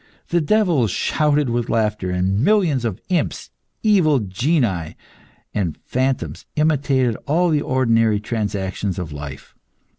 The devils shouted with laughter, and millions of imps, evil genii, and phantoms imitated all the ordinary transactions of life.